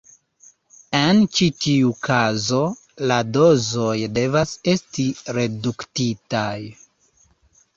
En ĉi tiu kazo, la dozoj devas esti reduktitaj.